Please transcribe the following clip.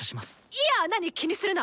いやなに気にするな！